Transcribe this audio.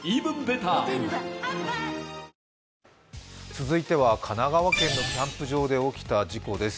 続いては神奈川県のキャンプ場で起きた事故です。